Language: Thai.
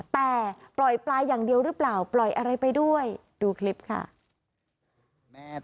แต่ปล่อยปลาอย่างเดียวหรือเปล่าปล่อยอะไรไปด้วยดูคลิปค่ะ